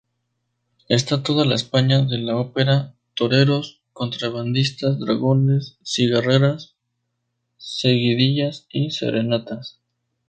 Está toda la España de la ópera: toreros, contrabandistas, dragones, cigarreras, seguidillas y serenatas.